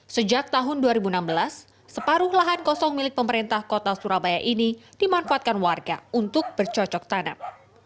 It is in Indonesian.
sejak tahun dua ribu enam belas separuh lahan kosong milik pemerintah kota surabaya ini dimanfaatkan warga untuk bercocok tanam